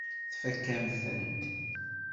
Tfakk-am-tent.